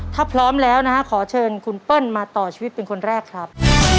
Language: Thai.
ถ้าพร้อมแล้วนะฮะขอเชิญคุณเปิ้ลมาต่อชีวิตเป็นคนแรกครับ